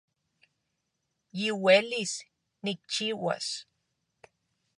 Yiuelis nikchiuas